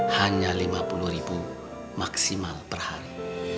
hanya rp lima puluh maksimal per hari